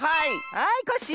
はいコッシー！